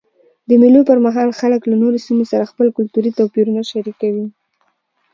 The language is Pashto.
د مېلو پر مهال خلک له نورو سیمو سره خپل کلتوري توپیرونه شریکوي.